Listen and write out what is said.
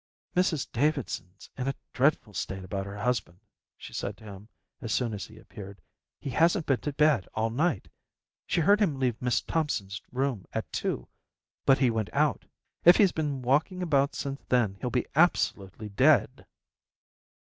"Mrs Davidson's in a dreadful state about her husband," she said to him as soon as he appeared. "He hasn't been to bed all night. She heard him leave Miss Thompson's room at two, but he went out. If he's been walking about since then he'll be absolutely dead."